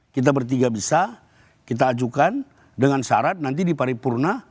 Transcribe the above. kita bertiga bisa kita ajukan dengan syarat nanti di paripurna